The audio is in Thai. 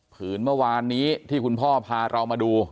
ผืนเมื่อวานนี้ที่คุณพ่อพาเรามาดู